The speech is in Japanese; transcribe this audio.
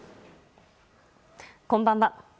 こんばんは。